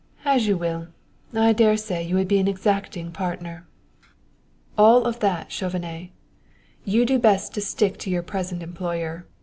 "As you will! I dare say you would be an exacting partner." "All of that, Chauvenet! You do best to stick to your present employer.